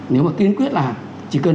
nếu mà kiên quyết là chỉ cần